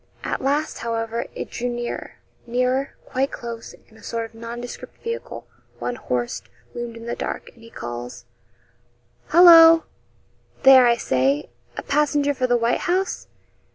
At last, however, it drew nearer nearer quite close and a sort of nondescript vehicle one horsed loomed in the dark, and he calls 'Hallo! there I say a passenger for the "White House?"'